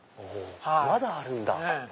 まだあるんだ。